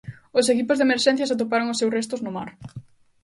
Os equipos de emerxencias atoparon o seus restos no mar.